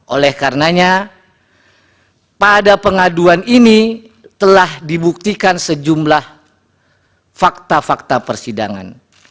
oleh karenanya pada pengaduan ini telah dibuktikan sejumlah fakta fakta persidangan